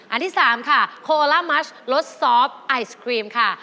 อันที่๓ค่ะโคล่ามัสรสซอฟต์ไอศครีมค่ะ